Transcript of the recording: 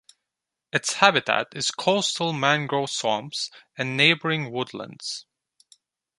Its habitat is coastal mangrove swamps and neighbouring woodlands.